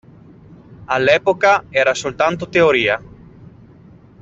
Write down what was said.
All'epoca era soltanto teoria.